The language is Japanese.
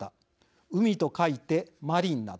「海」と書いて「マリン」など。